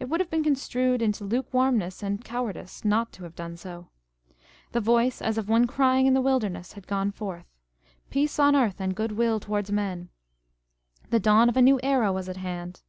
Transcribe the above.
It would have been construed into lukewarmness and cowardice not to have done so. The voice as of one crying in the wilderness had gone forth â€" " Peace on earth, and good will towards men I" The dawn of a new era was at hand.